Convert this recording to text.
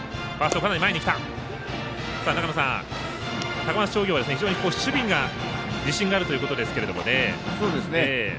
高松商業は非常に守備が自信があるということです。